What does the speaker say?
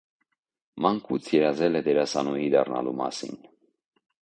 Մանկուց երազել է դերասանուհի դառնալու մասին։